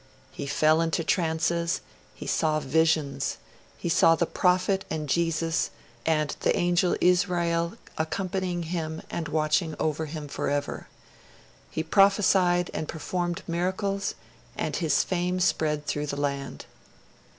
He fell into trances, he saw visions, he saw the prophet and Jesus, and the Angel Izrail accompanying him and watching over him forever. He prophesied and performed miracles, and his fame spread through the land.